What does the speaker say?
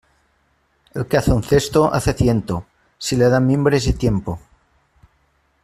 El que hace un cesto hace ciento, si le dan mimbres y tiempo.